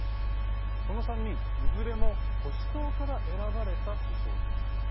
この３人、いずれも保守党から選ばれた首相です。